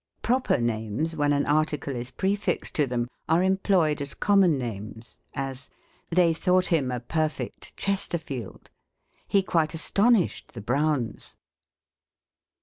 Proper names, when an article is prefixed to them, are employed as connnon names : as, " They thought him a perfect Chesterfield ; he quite astonished the Broivjis."